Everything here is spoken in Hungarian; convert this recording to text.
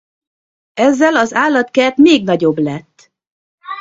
Ezzel az állatkert még nagyobb lett.